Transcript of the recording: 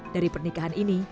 dari pernikahan ini